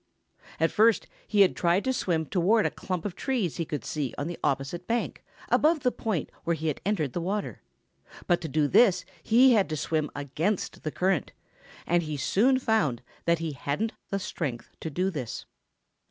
At first he had tried to swim towards a clump of trees he could see on the opposite bank above the point where he had entered the water, but to do this he had to swim against the current and he soon found that he hadn't the strength to do this.